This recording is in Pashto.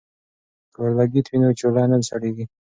که اورلګیت وي نو چولہ نه سړیږي.